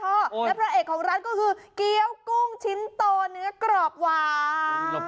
และพระเอกของร้านก็คือเกี้ยวกุ้งชิ้นโตเนื้อกรอบหวาน